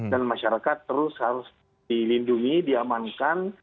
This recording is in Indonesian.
dan masyarakat terus harus dilindungi diamankan